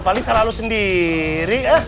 paling salah lo sendiri